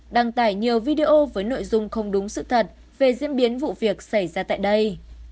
đăng tải nhiều video với nội dung không đúng sự thật về diễn biến vụ việc xảy ra tại đây